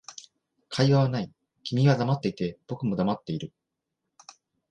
会話はない、君は黙っていて、僕も黙っている